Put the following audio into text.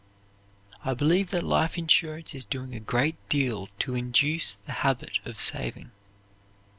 I believe that life insurance is doing a great deal to induce the habit of saving.